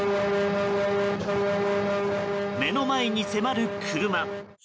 目の前に迫る車。